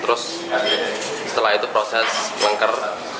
terus setelah itu proses lenker